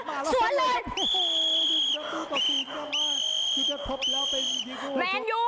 คับ